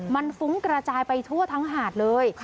มันฟุ้งกระจายไปทั่วทั้งหาดเลย